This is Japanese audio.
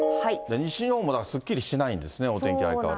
西日本もだから、すっきりしないんですね、お天気相変わらず。